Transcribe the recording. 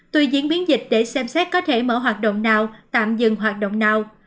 tuy diễn biến dịch để xem xét có thể mở hoạt động nào tạm dừng hoạt động nào